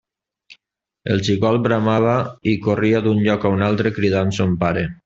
El xicot bramava i corria d'un lloc a un altre cridant son pare.